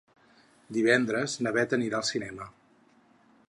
Divendres na Bet anirà al cinema.